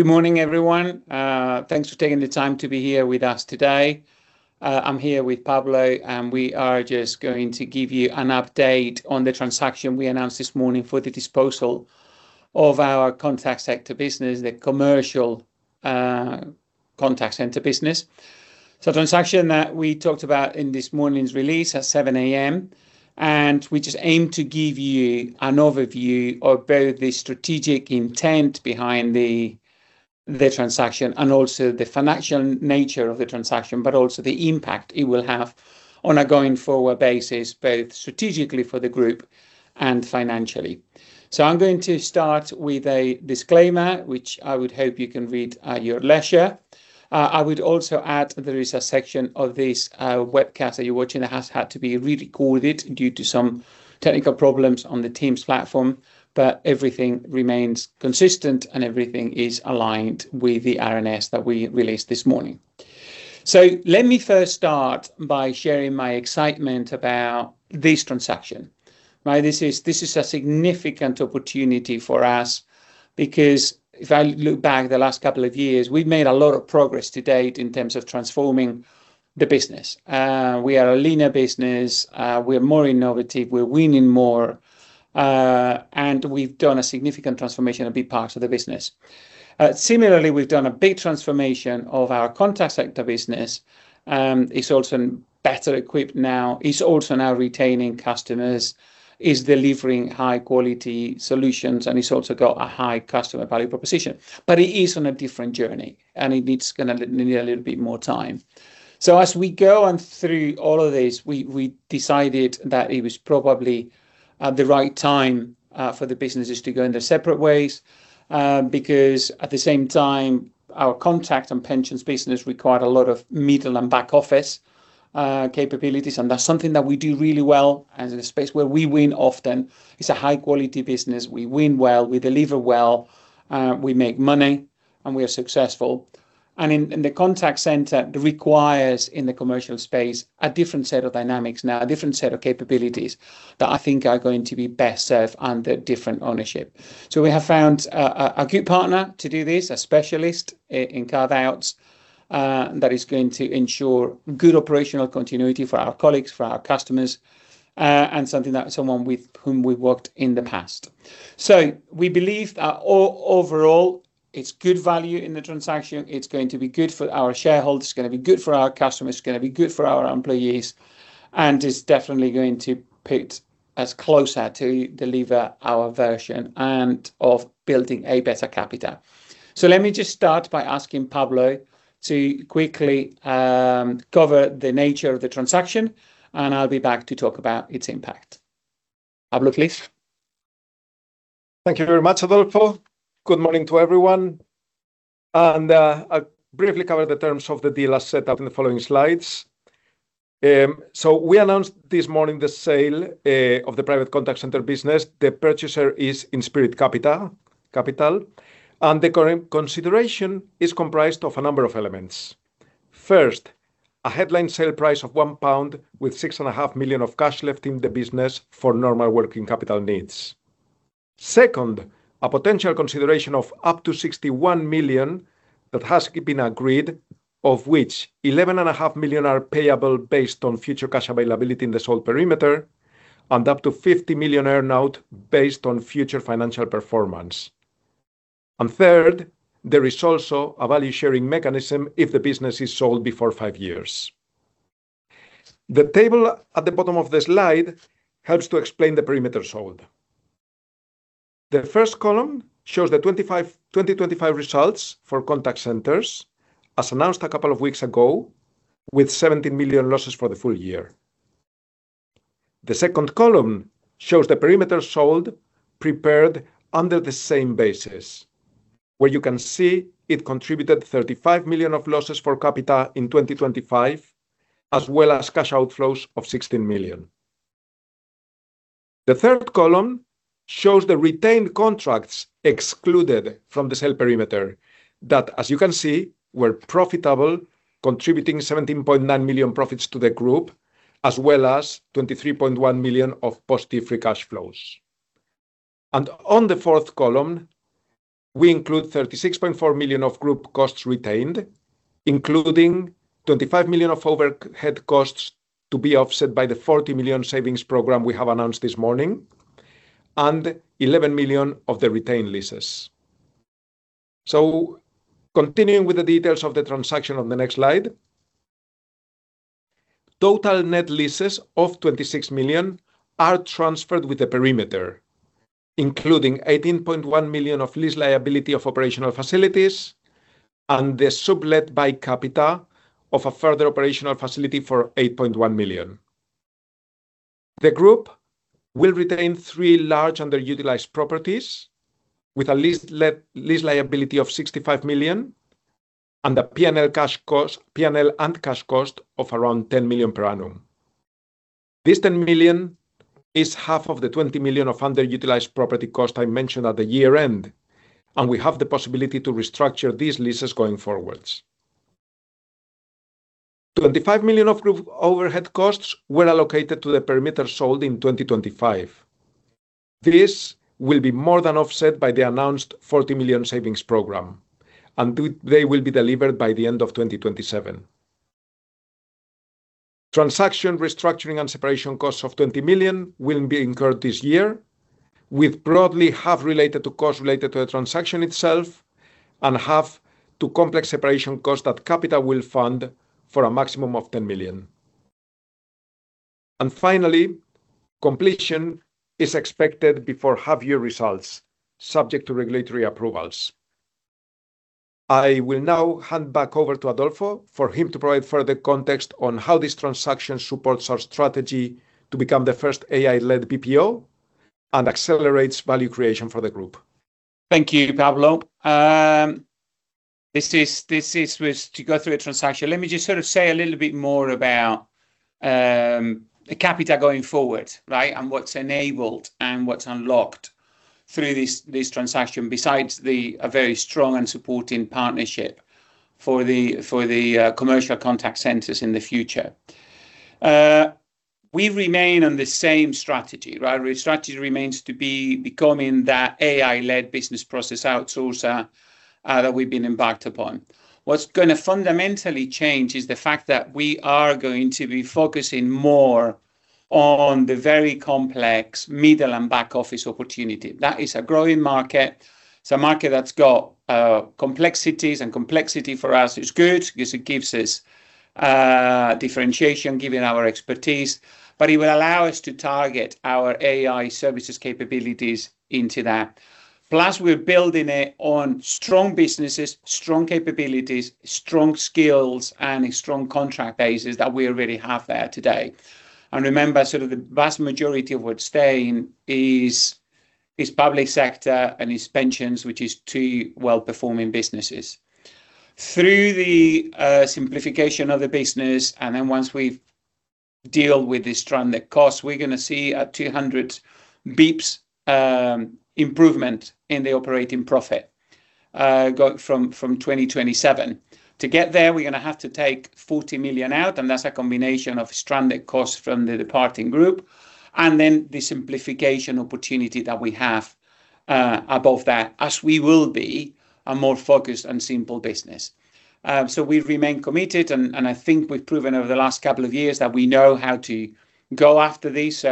Good morning, everyone. Thanks for taking the time to be here with us today. I'm here with Pablo, and we are just going to give you an update on the transaction we announced this morning for the disposal of our contact center business, the commercial contact center business. Transaction that we talked about in this morning's release at 7:00 A.M., and we just aim to give you an overview of both the strategic intent behind the transaction and also the financial nature of the transaction, but also the impact it will have on a going-forward basis, both strategically for the group and financially. I'm going to start with a disclaimer, which I would hope you can read at your leisure. I would also add there is a section of this webcast that you're watching that has had to be rerecorded due to some technical problems on the Teams platform, but everything remains consistent, and everything is aligned with the RNS that we released this morning. Let me first start by sharing my excitement about this transaction. Right. This is a significant opportunity for us because if I look back the last couple of years, we've made a lot of progress to date in terms of transforming the business. We are a leaner business. We're more innovative. We're winning more, and we've done a significant transformation, a big part of the business. Similarly, we've done a big transformation of our contact center business. It's also better equipped now. It's also now retaining customers. It's delivering high-quality solutions, and it's also got a high customer value proposition. It is on a different journey, and it needs a little bit more time. As we go on through all of this, we decided that it was probably the right time for the businesses to go in their separate ways, because at the same time, our contact and pensions business required a lot of middle and back office capabilities, and that's something that we do really well and a space where we win often. It's a high-quality business. We win well. We deliver well. We make money, and we are successful. In the contact center, it requires in the commercial space a different set of dynamics now, a different set of capabilities that I think are going to be best served under different ownership. We have found a good partner to do this, a specialist in carve-outs, that is going to ensure good operational continuity for our colleagues, for our customers, and someone with whom we've worked in the past. We believe that overall, it's good value in the transaction. It's going to be good for our shareholders. It's gonna be good for our customers. It's gonna be good for our employees, and it's definitely going to put us closer to deliver our vision of building a better Capita. Let me just start by asking Pablo to quickly cover the nature of the transaction, and I'll be back to talk about its impact. Pablo, please. Thank you very much, Adolfo. Good morning to everyone. I'll briefly cover the terms of the deal as set up in the following slides. We announced this morning the sale of the private contact center business. The purchaser is Inspirit Capital, and the current consideration is comprised of a number of elements. First, a headline sale price of 1 pound with 6.5 million of cash left in the business for normal working capital needs. Second, a potential consideration of up to 61 million that has been agreed, of which 11.5 million are payable based on future cash availability in the sold perimeter and up to 50 million earn-out based on future financial performance. Third, there is also a value-sharing mechanism if the business is sold before five years. The table at the bottom of the slide helps to explain the perimeter sold. The first column shows the 2025 results for contact centers, as announced a couple of weeks ago, with 17 million losses for the full year. The second column shows the perimeter sold prepared under the same basis, where you can see it contributed 35 million of losses for Capita in 2025, as well as cash outflows of 16 million. The third column shows the retained contracts excluded from the sale perimeter that, as you can see, were profitable, contributing 17.9 million profits to the group, as well as 23.1 million of positive free cash flows. On the fourth column, we include 36.4 million of group costs retained, including 25 million of overhead costs to be offset by the 40 million savings program we have announced this morning and 11 million of the retained leases. Continuing with the details of the transaction on the next slide. Total net leases of 26 million are transferred with the perimeter, including 18.1 million of lease liability of operational facilities and the sublet by Capita of a further operational facility for 8.1 million. The group will retain three large underutilized properties with a lease liability of 65 million and a P&L and cash cost of around 10 million per annum. This 10 million is half of the 20 million of underutilized property cost I mentioned at the year-end, and we have the possibility to restructure these leases going forwards. 25 million of group overhead costs were allocated to the perimeter sold in 2025. This will be more than offset by the announced 40 million savings program, and they will be delivered by the end of 2027. Transaction restructuring and separation costs of 20 million will be incurred this year, with broadly half related to costs related to the transaction itself and half to complex separation costs that Capita will fund for a maximum of 10 million. Finally, completion is expected before half-year results, subject to regulatory approvals. I will now hand back over to Adolfo for him to provide further context on how this transaction supports our strategy to become the first AI-led BPO and accelerates value creation for the group. Thank you, Pablo. Let me just sort of say a little bit more about Capita going forward, right? What's enabled and what's unlocked through this transaction besides a very strong and supporting partnership for the commercial contact centers in the future. We remain on the same strategy, right? Our strategy remains to be becoming that AI-led business process outsourcer that we've been embarked upon. What's gonna fundamentally change is the fact that we are going to be focusing more on the very complex middle and back office opportunity. That is a growing market. It's a market that's got complexities, and complexity for us is good 'cause it gives us differentiation given our expertise. But it will allow us to target our AI services capabilities into that. Plus, we're building it on strong businesses, strong capabilities, strong skills, and a strong contract bases that we already have there today. Remember, sort of the vast majority of what's staying is public sector and is pensions, which is two well-performing businesses. Through the simplification of the business, and then once we've dealt with this stranded cost, we're gonna see a 200 bips improvement in the operating profit go from 2027. To get there, we're gonna have to take 40 million out, and that's a combination of stranded costs from the departing group and then the simplification opportunity that we have above that as we will be a more focused and simple business. We remain committed and I think we've proven over the last couple of years that we know how to go after this.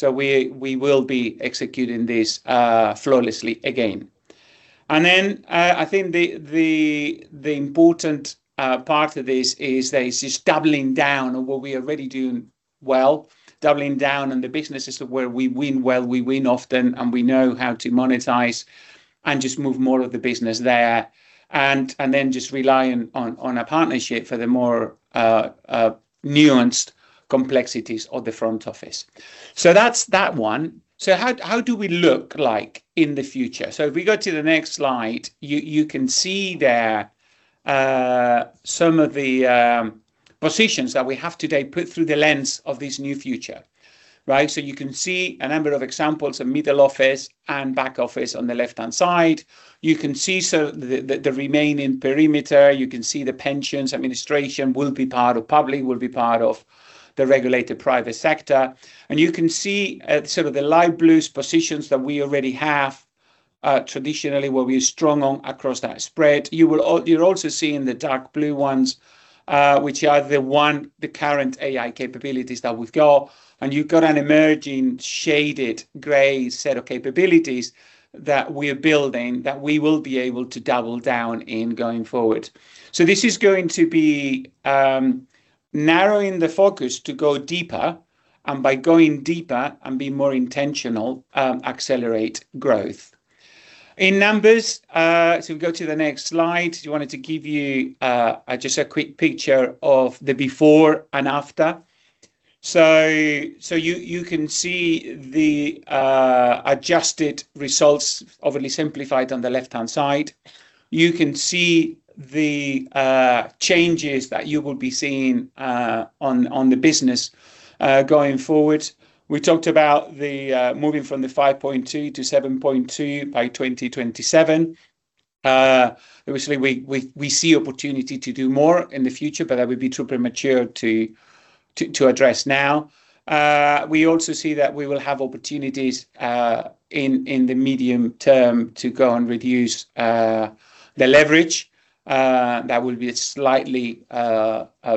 We will be executing this flawlessly again. I think the important part of this is that it's just doubling down on what we are already doing well, doubling down on the businesses where we win well, we win often, and we know how to monetize and just move more of the business there, just relying on a partnership for the more nuanced complexities of the front office. That's that one. How do we look like in the future? If we go to the next slide, you can see there some of the positions that we have today put through the lens of this new future. Right? You can see a number of examples of middle office and back office on the left-hand side. You can see the remaining perimeter. You can see the pensions administration will be part of public, will be part of the regulated private sector. You can see at sort of the light blues positions that we already have traditionally where we're strong on across that spread. You're also seeing the dark blue ones, which are the current AI capabilities that we've got. You've got an emerging shaded gray set of capabilities that we're building that we will be able to double down in going forward. This is going to be narrowing the focus to go deeper, and by going deeper and being more intentional, accelerate growth. In numbers, we go to the next slide. We wanted to give you just a quick picture of the before and after. You can see the adjusted results overly simplified on the left-hand side. You can see the changes that you will be seeing on the business going forward. We talked about moving from 5.2 to 7.2 by 2027. Obviously we see opportunity to do more in the future, but that would be too premature to address now. We also see that we will have opportunities in the medium term to go and reduce the leverage. That will be slightly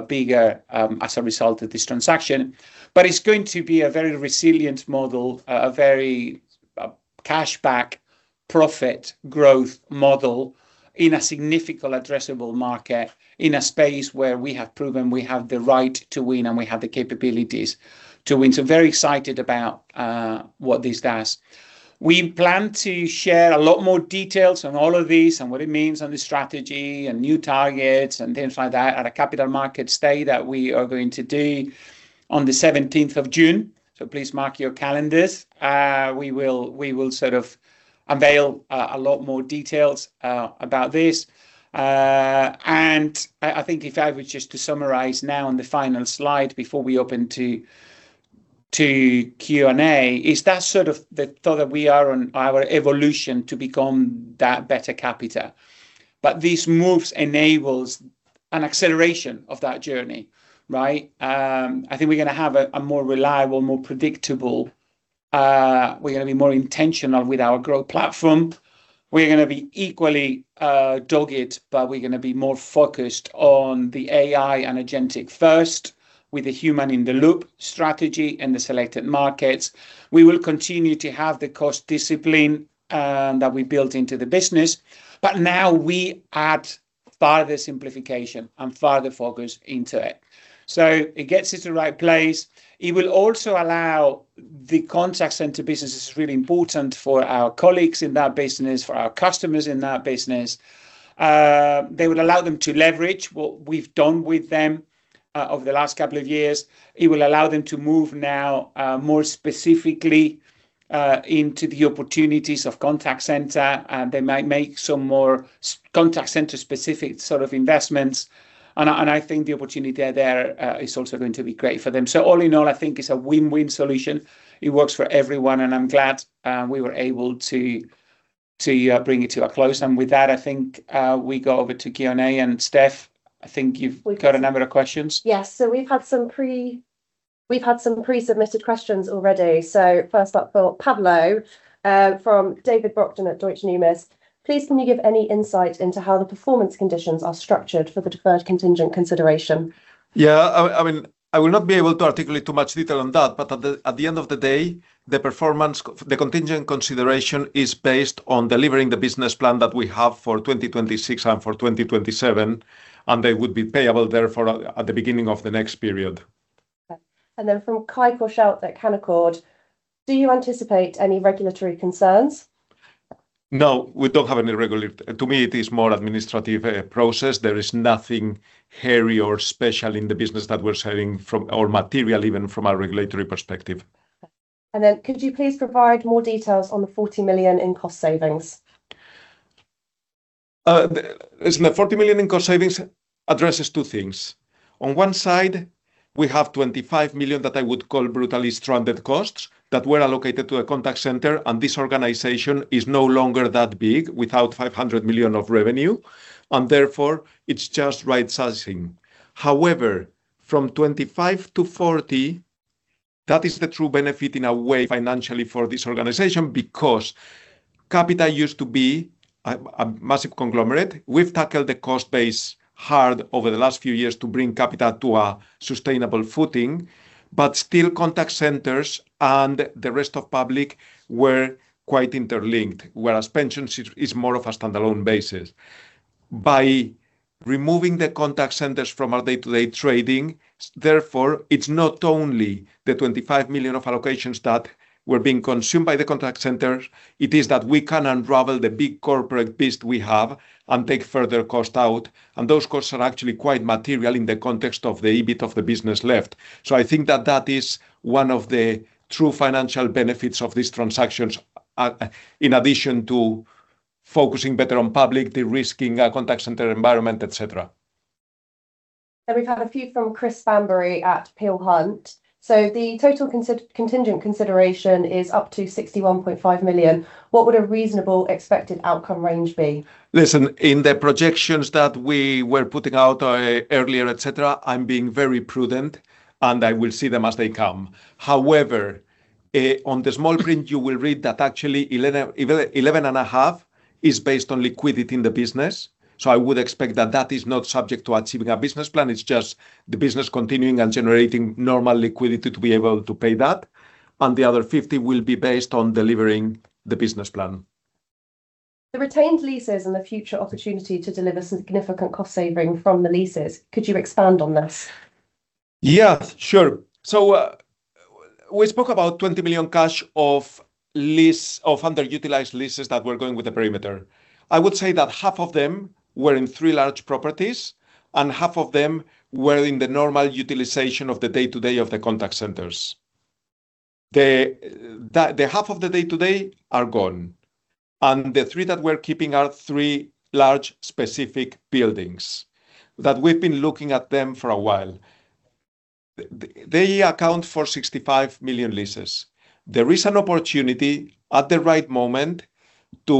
bigger as a result of this transaction. It's going to be a very resilient model, a very cash back profit growth model in a significant addressable market, in a space where we have proven we have the right to win, and we have the capabilities to win. Very excited about what this does. We plan to share a lot more details on all of this and what it means on the strategy and new targets and things like that at a Capital Markets Day that we are going to do on the 17th of June. Please mark your calendars. We will sort of unveil a lot more details about this. I think if I was just to summarize now on the final slide before we open to Q&A. Is that sort of the thought that we are on our evolution to become that better Capita. These moves enables an acceleration of that journey, right? I think we're gonna have a more reliable, more predictable, we're gonna be more intentional with our growth platform. We're gonna be equally dogged, but we're gonna be more focused on the AI and agentic first with the human in the loop strategy in the selected markets. We will continue to have the cost discipline that we built into the business, but now we add further simplification and further focus into it. It gets us to the right place. It will also allow the contact center business. It is really important for our colleagues in that business, for our customers in that business. They will allow them to leverage what we've done with them over the last couple of years. It will allow them to move now more specifically into the opportunities of contact center. They might make some more contact center specific sort of investments. I think the opportunity there is also going to be great for them. All in all, I think it's a win-win solution. It works for everyone, and I'm glad we were able to bring it to a close. With that, I think we go over to Q&A and Steph. I think you've got a number of questions. Yes. We've had some pre-submitted questions already. First up for Pablo, from David Brockton at Deutsche Numis. Please, can you give any insight into how the performance conditions are structured for the deferred contingent consideration? Yeah. I mean, I will not be able to articulate too much detail on that, but at the end of the day, the performance, the contingent consideration is based on delivering the business plan that we have for 2026 and for 2027, and they would be payable therefore at the beginning of the next period. Okay. From Kai Korschelt at Canaccord, do you anticipate any regulatory concerns? No, we don't have any regulatory. To me, it is more administrative, process. There is nothing hairy or special in the business that we're selling from or material even from a regulatory perspective. Could you please provide more details on the 40 million in cost savings? Listen, the 40 million in cost savings addresses two things. On one side, we have 25 million that I would call brutally stranded costs that were allocated to a contact center, and this organization is no longer that big without 500 million of revenue, and therefore it's just right sizing. However, from 25 million to 40 million, that is the true benefit in a way financially for this organization because Capita used to be a massive conglomerate. We've tackled the cost base hard over the last few years to bring Capita to a sustainable footing, but still contact centers and the rest of Public were quite interlinked, whereas Pensions is more of a standalone basis. By removing the contact centers from our day-to-day trading, therefore, it's not only the 25 million of allocations that were being consumed by the contact centers, it is that we can unravel the big corporate beast we have and take further cost out, and those costs are actually quite material in the context of the EBIT of the business left. I think that that is one of the true financial benefits of these transactions, in addition to focusing better on public, de-risking a contact center environment, etc. We've had a few from Christopher Bamberry at Peel Hunt. The total contingent consideration is up to 61.5 million. What would a reasonable expected outcome range be? Listen, in the projections that we were putting out earlier, I'm being very prudent, and I will see them as they come. However, on the small print, you will read that actually 11.5 million is based on liquidity in the business. I would expect that that is not subject to achieving a business plan. It's just the business continuing and generating normal liquidity to be able to pay that. The other 50 million will be based on delivering the business plan. The retained leases and the future opportunity to deliver significant cost savings from the leases, could you expand on this? Yeah, sure. We spoke about 20 million cash of underutilized leases that were going with the perimeter. I would say that half of them were in three large properties, and half of them were in the normal utilization of the day-to-day of the contact centers. The half of the day-to-day are gone, and the three that we're keeping are three large specific buildings that we've been looking at them for a while. They account for 65 million leases. There is an opportunity at the right moment to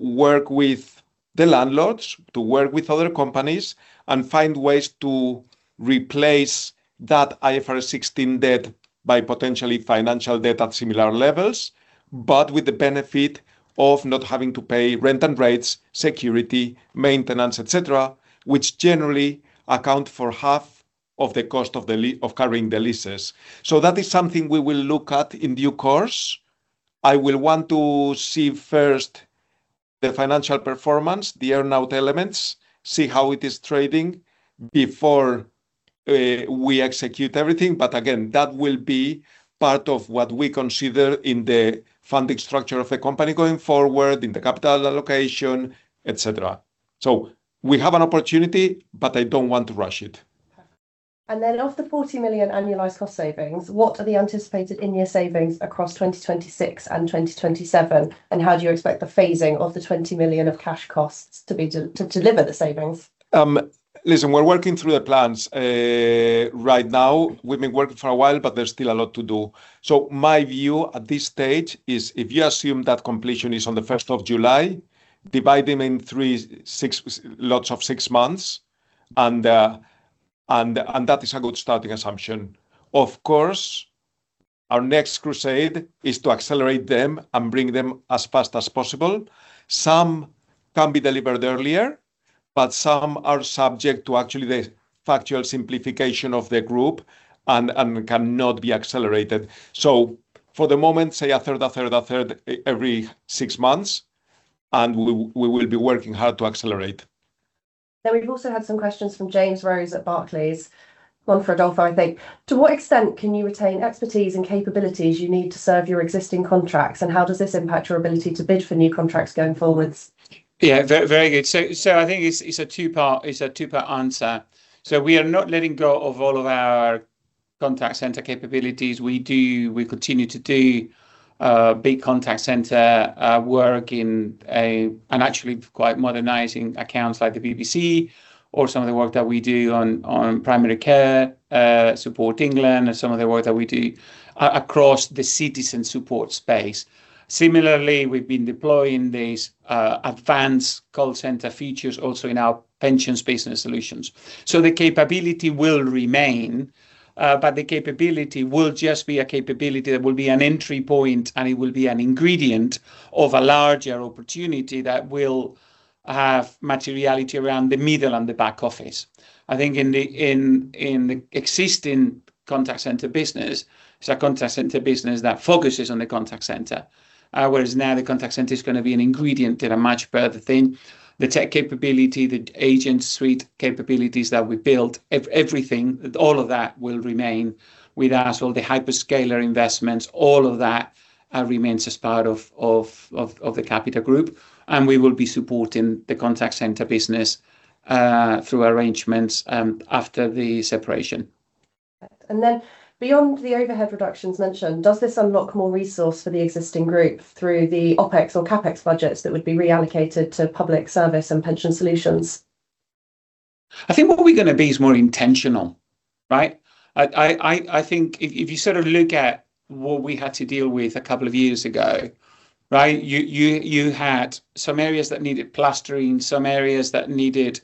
work with the landlords, to work with other companies, and find ways to replace that IFRS 16 debt by potentially financial debt at similar levels, but with the benefit of not having to pay rent and rates, security, maintenance, etc., which generally account for half of the cost of carrying the leases. So that is something we will look at in due course. I will want to see first the financial performance, the earn-out elements, see how it is trading before we execute everything. Again, that will be part of what we consider in the funding structure of the company going forward, in the capital allocation, etc. We have an opportunity, but I don't want to rush it. Of the 40 million annualized cost savings, what are the anticipated in-year savings across 2026 and 2027? How do you expect the phasing of the 20 million of cash costs to deliver the savings? Listen, we're working through the plans right now. We've been working for a while, but there's still a lot to do. My view at this stage is if you assume that completion is on the 1st of July, divide them into three lots of six months and that is a good starting assumption. Of course, our next crusade is to accelerate them and bring them as fast as possible. Some can be delivered earlier, but some are subject to the actual simplification of the group and cannot be accelerated. For the moment, say a third, a third, a third every six months, and we will be working hard to accelerate. We've also had some questions from James Rose at Barclays. One for Adolfo, I think. To what extent can you retain expertise and capabilities you need to serve your existing contracts, and how does this impact your ability to bid for new contracts going forward? Very good. I think it's a two-part answer. We are not letting go of all of our contact center capabilities. We continue to do big contact center work and actually quite modernizing accounts like the BBC or some of the work that we do on Primary Care Support England and some of the work that we do across the citizen support space. Similarly, we've been deploying these advanced call center features also in our pensions business solutions. The capability will remain, but the capability will just be a capability that will be an entry point, and it will be an ingredient of a larger opportunity that will have materiality around the middle and the back office. I think in the existing contact center business, it's a contact center business that focuses on the contact center. Whereas now the contact center is gonna be an ingredient in a much broader thing. The tech capability, the agent suite capabilities that we built, everything, all of that will remain with us. All the hyperscaler investments, all of that remains as part of the Capita group, and we will be supporting the contact center business through arrangements after the separation. Beyond the overhead reductions mentioned, does this unlock more resource for the existing group through the OpEx or CapEx budgets that would be reallocated to Public Service and Pension Solutions? I think what we're gonna be is more intentional, right. I think if you sort of look at what we had to deal with a couple of years ago, right. You had some areas that needed plastering, some areas that needed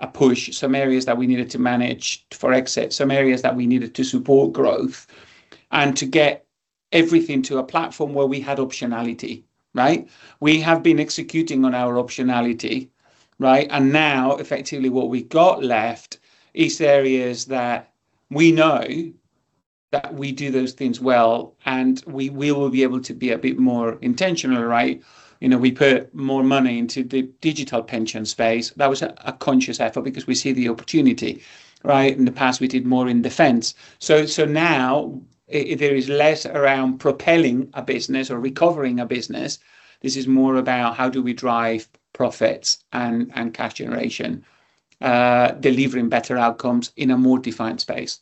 a push, some areas that we needed to manage for exit, some areas that we needed to support growth and to get everything to a platform where we had optionality, right. We have been executing on our optionality, right. Now effectively what we've got left is areas that we know that we do those things well, and we will be able to be a bit more intentional, right. You know, we put more money into the digital pension space. That was a conscious effort because we see the opportunity, right. In the past, we did more in defense. Now if there is less around propelling a business or recovering a business, this is more about how do we drive profits and cash generation, delivering better outcomes in a more defined space.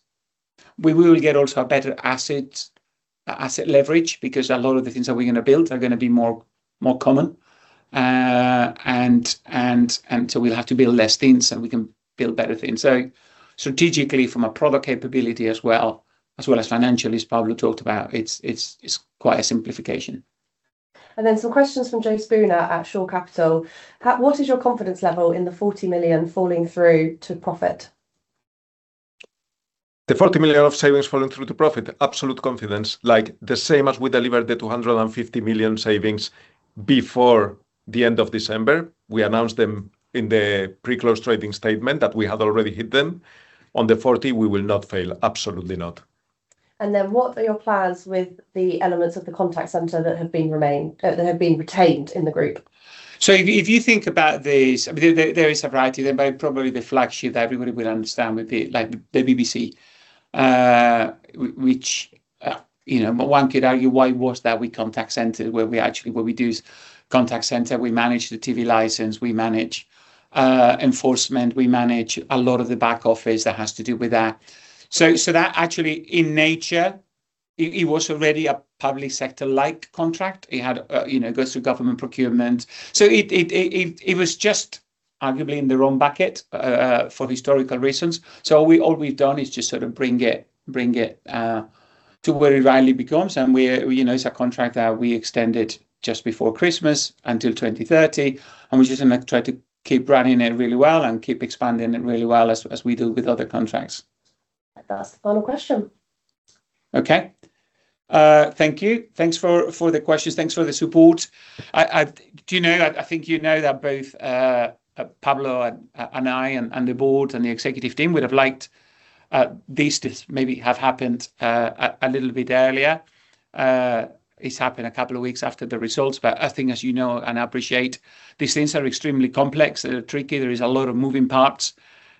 We will get also a better asset leverage because a lot of the things that we're gonna build are gonna be more common. We'll have to build less things, and we can build better things. Strategically from a product capability as well as financially, as Pablo talked about, it's quite a simplification. Some questions from James Boon at Shore Capital. What is your confidence level in the 40 million falling through to profit? 40 million of savings falling through to profit. Absolute confidence, like the same as we delivered the 250 million savings before the end of December. We announced them in the pre-close trading statement that we had already hit them. On the 40 million, we will not fail. Absolutely not. What are your plans with the elements of the contact center that have been retained in the group? If you think about this, I mean, there is a variety. There might probably be the flagship that everybody will understand would be like the BBC, which, you know, one could argue why was that the contact center? Well, we actually, what we do is contact center. We manage the TV license, we manage enforcement, we manage a lot of the back office that has to do with that. That actually in nature, it was already a public sector-like contract. It had, you know, goes through government procurement. It was just arguably in the wrong bucket for historical reasons. We, all we've done is just sort of bring it to where it rightly becomes. We're, you know, it's a contract that we extended just before Christmas until 2030, and we're just gonna try to keep running it really well and keep expanding it really well as we do with other contracts. That's the final question. Okay. Thank you. Thanks for the questions. Thanks for the support. Do you know, I think you know that both Pablo and I and the Board and the Executive Team would have liked this to maybe have happened a little bit earlier. It's happened a couple of weeks after the results. I think as you know and appreciate, these things are extremely complex. They're tricky. There is a lot of moving parts.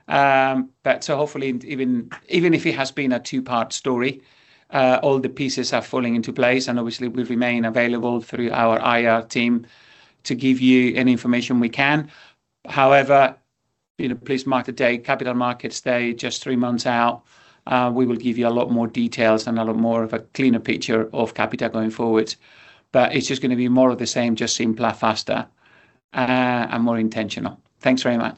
Hopefully even if it has been a two-part story, all the pieces are falling into place, and obviously we remain available through our IR team to give you any information we can. However, you know, please mark the date, Capital Markets Day, just three months out. We will give you a lot more details and a lot more of a cleaner picture of Capita going forward. It's just gonna be more of the same, just simpler, faster, and more intentional. Thanks very much.